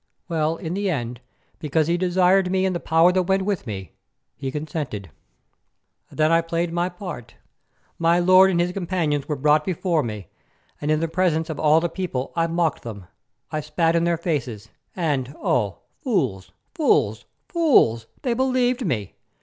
Well, in the end, because he desired me and the power that went with me, he consented. Then I played my part. My lord and his companions were brought before me, and in presence of all the people I mocked them; I spat in their faces, and oh! fools, fools, fools, they believed me!